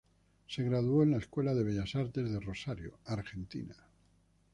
Se graduó en la Escuela de Bellas Artes de Rosario, Argentina.